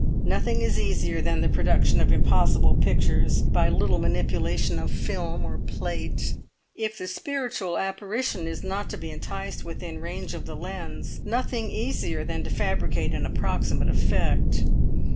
Nothing is easier than the production of impossible pictures by a little manipulation of film or plate; if the spiritual apparition is not to be enticed within range of the lens, nothing easier than to fabricate an approximate effect.